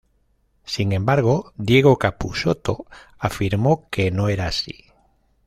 Sin embargo, Diego Capusotto afirmó que no era así.